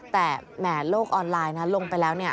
แต่แหมโลกออนไลน์ลงไปแล้ว